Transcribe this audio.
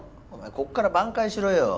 ここから挽回しろよ。